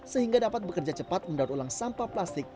sehingga dapat bekerja cepat mendaur ulang sampah plastik